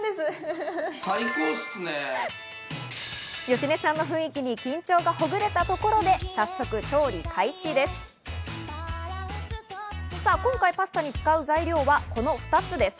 芳根さんの雰囲気に緊張がほぐれたところで早速、調理開始です。